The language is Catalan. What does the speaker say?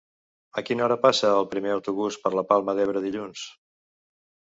A quina hora passa el primer autobús per la Palma d'Ebre dilluns?